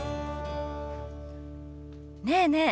ねえねえ